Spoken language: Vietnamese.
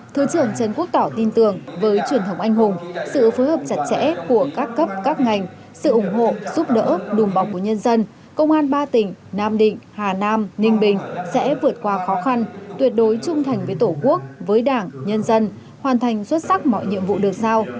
thứ trưởng trần quốc tỏ tin tưởng với truyền thống anh hùng sự phối hợp chặt chẽ của các cấp các ngành sự ủng hộ giúp đỡ đùm bọc của nhân dân công an ba tỉnh nam định hà nam ninh bình sẽ vượt qua khó khăn tuyệt đối trung thành với tổ quốc với đảng nhân dân hoàn thành xuất sắc mọi nhiệm vụ được giao